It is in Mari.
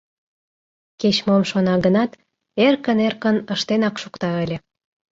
Кеч-мом шона гынат, эркын-эркын ыштенак шукта ыле.